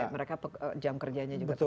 mereka jam kerjanya juga sudah